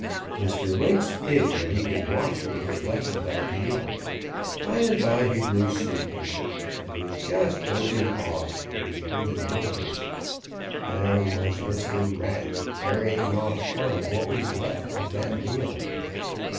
"Mr. Lynx hid where he could watch what was left of that meal. By and by he grew sleepy. He was just dozing off when he heard a noise. There was Mr. Rat carrying off part of what was left of that meal.